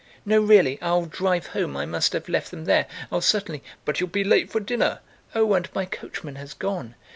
"No, really! I'll drive home, I must have left them there. I'll certainly..." "But you'll be late for dinner." "Oh! And my coachman has gone."